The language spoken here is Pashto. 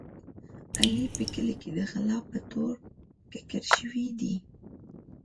علي په کلي کې د غلا په تور ککړ شوی دی.